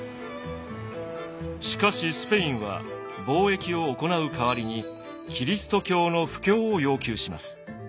しかしスペインは貿易を行う代わりにキリスト教の布教を要求します。